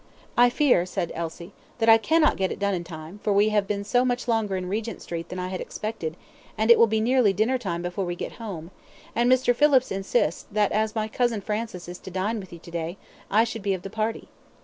"I fear," said Alice, "that I cannot get it done in time, for we have been so much longer in Regent Street than I expected, and it will be nearly dinnertime before we get home; and Mr. Phillips insists, that as my cousin Francis is to dine with you today, I should be of the party."